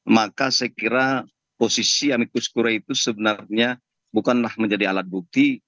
maka saya kira posisi amikus kura itu sebenarnya bukanlah menjadi alat bukti